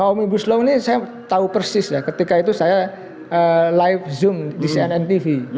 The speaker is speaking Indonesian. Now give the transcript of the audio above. omnibus law ini saya tahu persis ya ketika itu saya live zoom di cnn tv